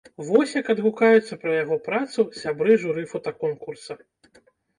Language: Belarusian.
Вось як адгукаюцца пра яго працу сябры журы фотаконкурса.